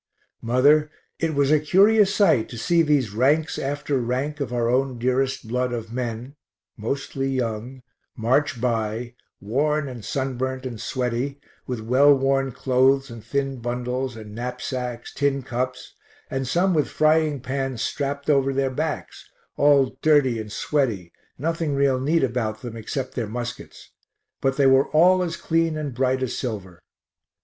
Mother, it was a curious sight to see these ranks after rank of our own dearest blood of men, mostly young, march by, worn and sunburnt and sweaty, with well worn clothes and thin bundles, and knapsacks, tin cups, and some with frying pans strapt over their backs, all dirty and sweaty, nothing real neat about them except their muskets; but they were all as clean and bright as silver.